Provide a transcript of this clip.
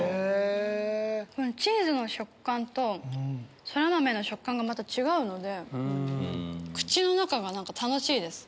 チーズの食感とソラマメの食感が違うので口の中が楽しいです。